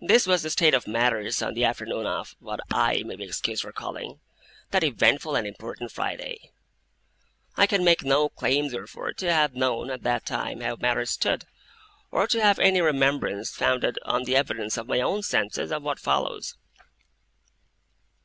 This was the state of matters, on the afternoon of, what I may be excused for calling, that eventful and important Friday. I can make no claim therefore to have known, at that time, how matters stood; or to have any remembrance, founded on the evidence of my own senses, of what follows.